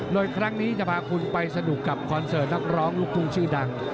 โดยครั้งนี้จะพาคุณไปสนุกกับคอนเสิร์ตนักร้องลูกทุ่งชื่อดัง